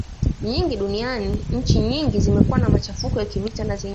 nyingi duniani nchi nyingi zimekuwa na machafuko ya kivita na zenye